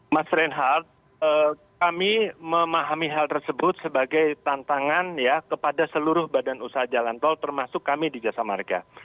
mas reinhardt kami memahami hal tersebut sebagai tantangan ya kepada seluruh badan usaha jalan tol termasuk kami di jasa marga